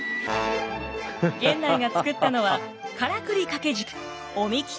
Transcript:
源内が作ったのはからくり掛け軸お神酒天神。